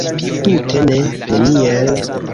Tute ne, neniel.